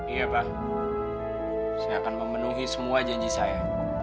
iya pak saya akan memenuhi semua janji saya